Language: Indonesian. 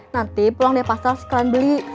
nanti pulang deh pasar sekalian beli